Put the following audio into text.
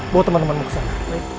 bawa teman temanmu kesana